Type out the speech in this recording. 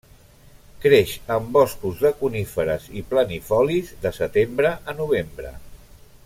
Creix en boscos de coníferes i planifolis, de setembre a novembre.